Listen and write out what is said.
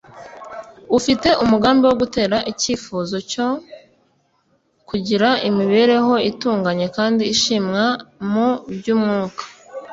ufite umugambi wo gutera icyifuzo cyo kugira imibereho itunganye kandi ishimwa mu by'umwuka,